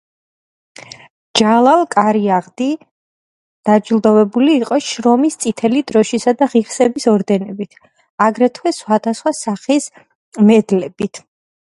ჯალალ კარიაღდი დაჯილდოვებული იყო შრომის წითელი დროშისა და ღირსების ორდენებით, აგრეთვე სხვადასხვა სახის მედლებით.